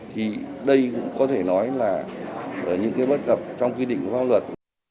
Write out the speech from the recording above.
thì đây cũng có thể nói là những cái bất cập trong quy định của pháp luật